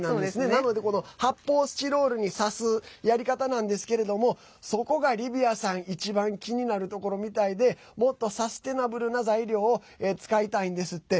なので発泡スチロールに刺すやり方なんですけれどもそこがリヴィアさん一番気になるところみたいでもっとサステナブルな材料を使いたいんですって。